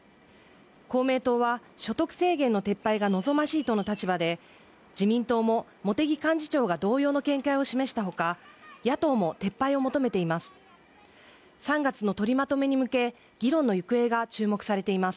公明党は所得制限の撤廃が望ましいとの立場で自民党も茂木幹事長が同様の見解を示したほか野党も撤廃を求めています